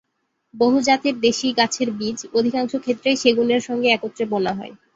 বহুজাতের দেশি গাছের বীজ, অধিকাংশ ক্ষেত্রেই সেগুনের সঙ্গে একত্রে বোনা হয়।